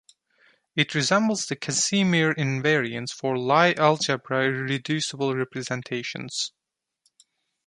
It resembles the Casimir invariants for Lie algebra irreducible representations.